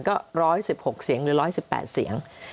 ก็๑๑๖เสียงหรือ๑๑๘เสียง